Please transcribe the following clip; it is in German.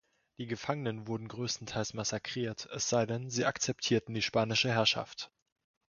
Die Gefangenen wurden großteils massakriert, es sei denn, sie akzeptierten die spanische Herrschaft.